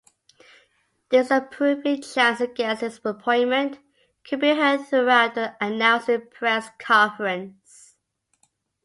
Disapproving chants against his appointment could be heard throughout the announcing press conference.